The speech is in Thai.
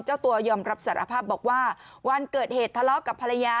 เจ้าตัวยอมรับสารภาพบอกว่าวันเกิดเหตุทะเลาะกับภรรยา